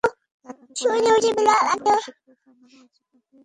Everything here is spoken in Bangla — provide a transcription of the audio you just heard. তার আগে-পরে মিলিয়ে তিনবার বিশ্বকাপের ফাইনালে মরীচিকা হয়ে মিলিয়ে গেছে স্বপ্ন।